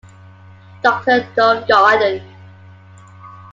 Doctor Dov Yarden.